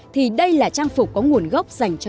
thì đây là trang phục có nguồn gốc dành cho